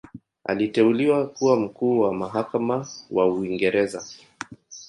Aliteuliwa kuwa Mkuu wa Mahakama wa Uingereza.